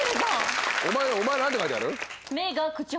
お前何て書いてある？